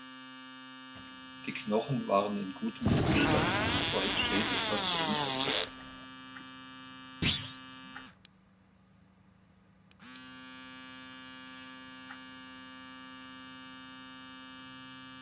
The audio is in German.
Die Knochen waren in gutem Zustand, zwei Schädel fast unversehrt.